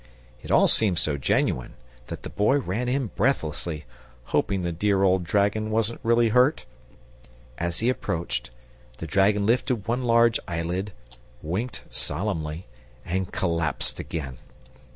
It all seemed so genuine that the Boy ran in breathlessly, hoping the dear old dragon wasn't really hurt. As he approached, the dragon lifted one large eyelid, winked solemnly, and collapsed again.